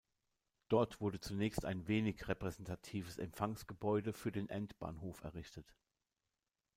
Dort wurde zunächst ein wenig repräsentatives Empfangsgebäudes für den Endbahnhof errichtet.